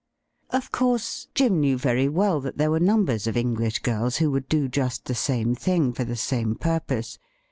Of course, Jim knew very well that there were numbers of English girls who would do just the same thing for the same purpose.